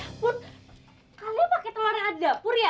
ya ampun kalian pake telornya ada dapur ya